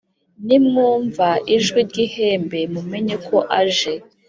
Nimwumva ijwi ry’ ihembe mumenye ko aje.